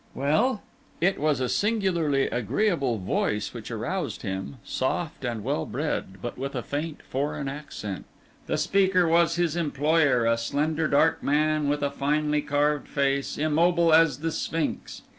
"Well?" It was a singularly agreeable voice which aroused him, soft and well bred, but with a faint foreign accent. The speaker was his employer, a slender dark man, with a finely carved face, immobile as the Sphinx.